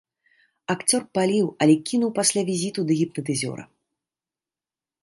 Акцёр паліў, але кінуў пасля візіту да гіпнатызёра.